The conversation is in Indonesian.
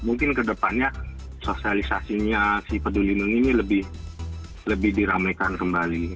mungkin ke depannya sosialisasinya si peduli lindungi ini lebih diramaikan kembali